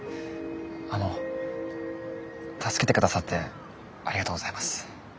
あの助けて下さってありがとうございます。